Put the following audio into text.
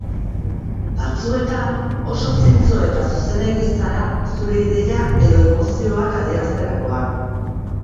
Batzuetan oso zintzoa eta zuzenegia zara zure ideia edo emozioak adierazterakoan.